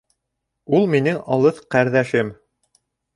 Ул минең алыҫ ҡәрҙәшем.